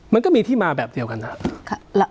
มันก็มีที่มาแบบเดียวกันนะครับ